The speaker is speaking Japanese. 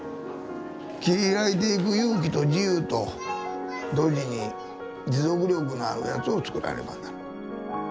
切り開いていく勇気と自由と同時に持続力のあるやつをつくらねばならん。